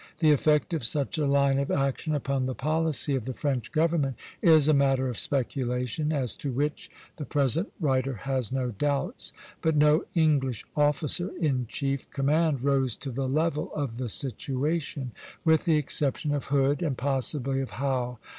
The effect of such a line of action upon the policy of the French government is a matter of speculation, as to which the present writer has no doubts; but no English officer in chief command rose to the level of the situation, with the exception of Hood, and possibly of Howe.